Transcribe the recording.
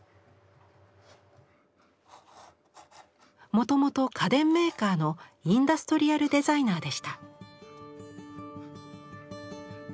もともと家電メーカーのインダストリアルデザイナーでした。